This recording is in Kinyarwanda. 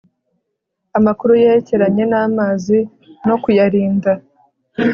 amakuru yerekeranye n'amazi no kuyarinda